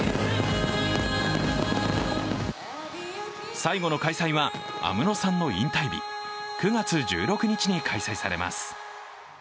最後の開催は、安室さんの引退日、９月１６日に開催されます。